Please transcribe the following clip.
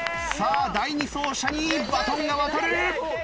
さあ第２走者にバトンが渡る！